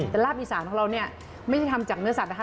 แต่ลาบอีสานของเราเนี่ยไม่ได้ทำจากเนื้อสัตว์นะคะ